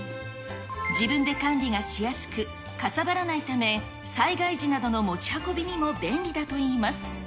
自分で管理がしやすく、かさばらないため、災害時などの持ち運びにも便利だといいます。